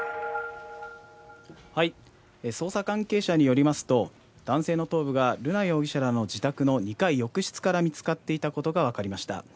捜査関係者によりますと、男性の頭部が瑠奈容疑者らの自宅の２階浴室から見つかっていたことが分かりました。